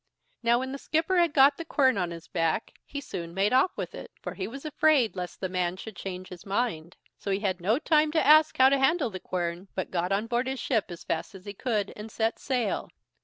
Now, when the skipper had got the quern on his back, he soon made off with it, for he was afraid lest the man should change his mind; so he had no time to ask how to handle the quern, but got on board his ship as fast as he could, and set sail.